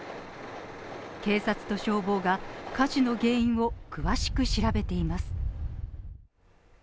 警察と消防が火事の原因を詳しく調べています